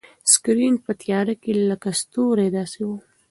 سکرین په تیاره کې لکه ستوری داسې و.